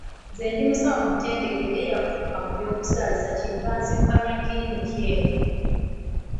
Nze ndi musawo omutendeke era eyakuguka mu by’okuzaalisa kyenva nzirukanya kirinika eno.